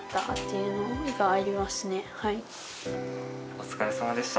お疲れさまでした。